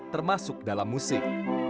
termasuk dalam musik